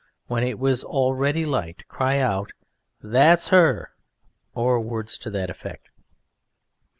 when it was already light, cry out "That's Hur," or words to that effect.